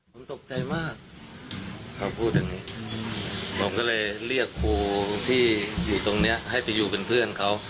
ผมตกใจมากเขาพูดอย่างนี้ผมก็เลยเรียกครูที่อยู่ตรงนี้ให้ไปอยู่เป็นเพื่อนเขา